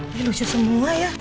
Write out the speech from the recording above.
ini lucu semua ya